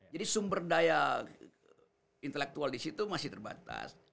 jadi sumber daya intelektual disitu masih terbatas